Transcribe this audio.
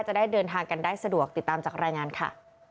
จะได้เดินทางกันได้สะดวกติดตามจากรายงานค่ะ